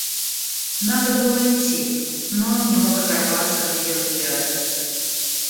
Надо было итти, но он не мог оторваться от ее взгляда.